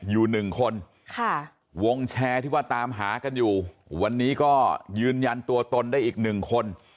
อยู่หนึ่งคนค่ะวงแชร์ที่ว่าตามหากันอยู่วันนี้ก็ยืนยันตัวตนได้อีกหนึ่งคน